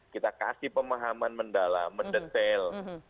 kita kasih pemahaman mendalam mendetail